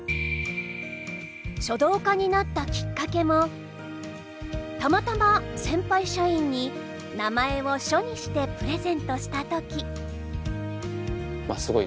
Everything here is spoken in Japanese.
書道家になったきっかけもたまたま先輩社員に名前を書にしてプレゼントした時。